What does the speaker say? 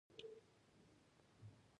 نېک اخلاق څه دي او څرنګه وده ورکړو.